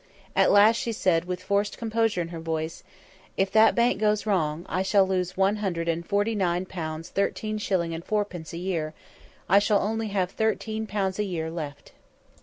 At last she said, with forced composure in her voice, "If that bank goes wrong, I shall lose one hundred and forty nine pounds thirteen shillings and fourpence a year; I shall only have thirteen pounds a year left."